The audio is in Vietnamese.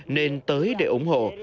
nên tới để ủng hộ